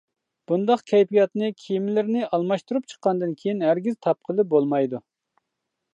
بۇنداق كەيپىياتنى كىيىملىرىنى ئالماشتۇرۇپ چىققاندىن كىيىن ھەرگىز تاپقىلى بولمايدۇ.